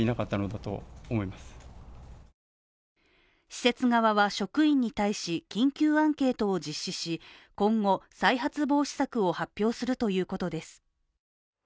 施設側は、職員に対し緊急アンケートを実施し、今後、再発防止策を発表するということです。